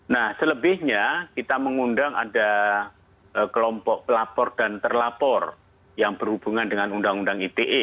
nah selebihnya kita mengundang ada kelompok pelapor dan terlapor yang berhubungan dengan undang undang ite